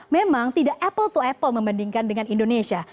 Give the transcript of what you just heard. memang tidak apple to apple membandingkan dengan indonesia